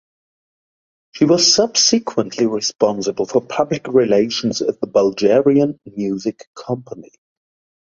She was subsequently responsible for public relations at the Bulgarian Music Company.